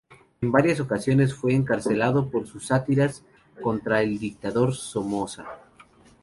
En varias ocasiones fue encarcelado por sus sátiras contra el dictador Somoza.